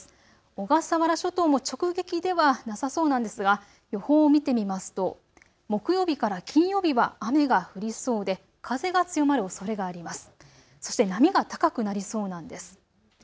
小笠原諸島も直撃ではなさそうなんですが予報を見てみますと木曜日から金曜日は雨が降りそうで風が強まるおそれがあります。